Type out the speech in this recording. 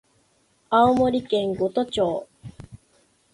青森県五戸町